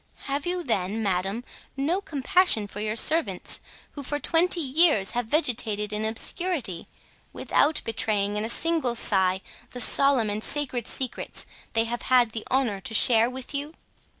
Have you, then, madame, no compassion for your servants who for twenty years have vegetated in obscurity, without betraying in a single sigh the solemn and sacred secrets they have had the honor to share with you?